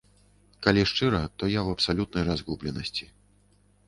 Калі шчыра, то я ў абсалютнай разгубленасці.